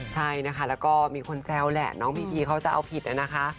ใช่นะคะแล้วก็มีคนแซวแหละน้องพีพีเขาจะเอาผิดนะคะ